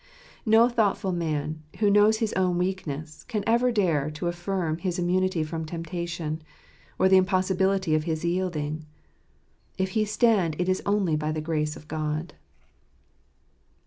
No thoughtful man, who knows his own weakness, can ever dare to affirm his immunity from temptation, or the impossibility of his yielding. If he stand it is only by the grace of God.